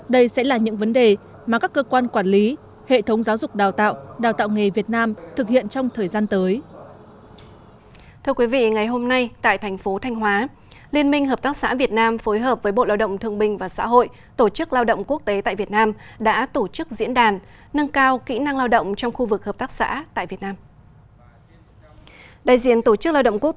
đây sẽ là những vấn đề mà các cơ quan quản lý hệ thống giáo dục đào tạo